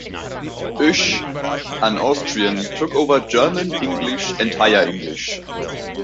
Oesch, an Austrian, took over German, English and Higher English.